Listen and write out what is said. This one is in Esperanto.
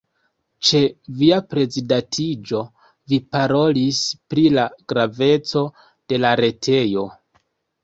Ĉe via prezidantiĝo, vi parolis pri la graveco de la retejo.